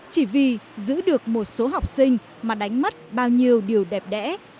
chỉ vì giữ được một số học sinh mà đánh mất bao nhiêu điều đẹp đẽ